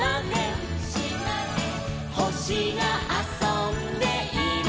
「ほしがあそんでいるのかな」